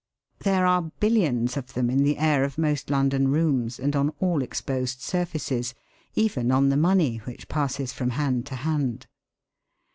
There are billions of them in the air of most London rooms and on all exposed surfaces, even on the money which passes from hand to hand.